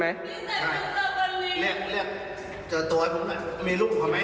ใช่เรียกเรียกเจอตัวให้ผมหน่อยมีรูปของเขาไหม